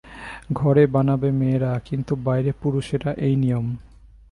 ঘরে বানাবে মেয়েরা, কিন্তু বাইরে পুরুষেরা-এ-ই নিয়ম।